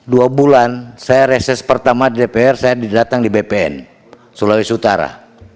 dua bulan saya reses pertama di dpr saya didatang di bpn sulawesi utara